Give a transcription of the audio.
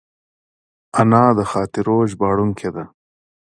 انا د خاطرو ژباړونکې ده